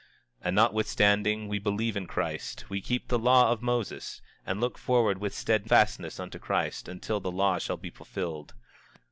25:24 And, notwithstanding we believe in Christ, we keep the law of Moses, and look forward with steadfastness unto Christ, until the law shall be fulfilled.